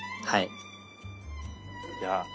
はい。